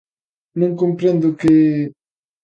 Non comprendo que...